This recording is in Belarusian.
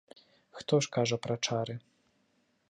Хто ж кажа пра чары.